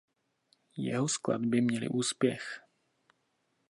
Jeho skladby měly úspěch.